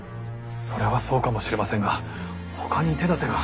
それはそうかもしれませんがほかに手だてが。